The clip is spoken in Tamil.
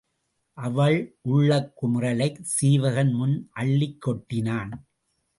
அவன் உள்ளக் குமுறலைச் சீவகன் முன் அள்ளிக் கொட்டினான்.